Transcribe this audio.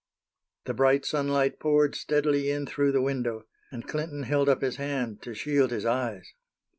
The bright sunlight poured steadily in through the window, and Clinton held up his hand to shield his eyes.